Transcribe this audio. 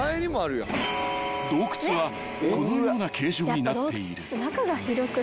［洞窟はこのような形状になっている］